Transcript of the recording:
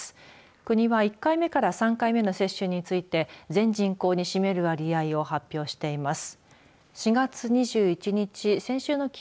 国は１回目から３回目の接種について全人口に占める割合を発表しています。